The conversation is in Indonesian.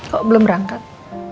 kok belum rangkap